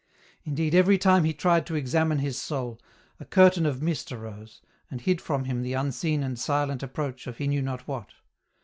Indeed every time he tried to examine his soul, a curtain ot mist arose, and hid from him the unseen and silent approach of he knew not what.